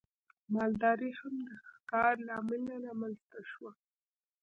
مالداري هم د ښکار له امله رامنځته شوه.